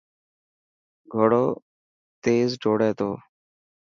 گهوڙو تيل ڊروڙي تو.